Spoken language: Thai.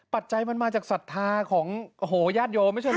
ปัจจัยมันมาจากศรัทธาของโอ้โหญาติโยมไม่ใช่เหรอ